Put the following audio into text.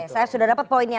saya sudah dapat poinnya